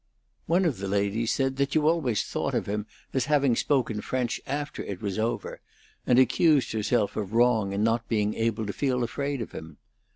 One of the ladies said that you always thought of him as having spoken French after it was over, and accused herself of wrong in not being able to feel afraid of him.